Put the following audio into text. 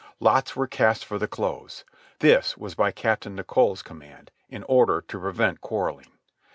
Lots were cast for the clothes. This was by Captain Nicholl's command, in order to prevent quarrelling.